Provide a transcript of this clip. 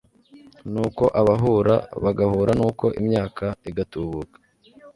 Nuko abahura bagahura nuko imyaka igatubuka